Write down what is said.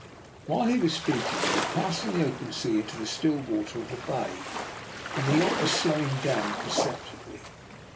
While he was speaking we had passed from the open sea into the still water of the bay, and the yacht was slowing down percep tibly.